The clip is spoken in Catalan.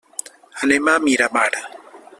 Anem a Miramar.